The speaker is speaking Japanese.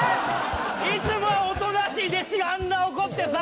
いつもはおとなしい弟子があんな怒ってさ。